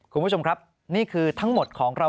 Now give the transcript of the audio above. คุณผู้ชมครับนี่คือทั้งหมดของเรา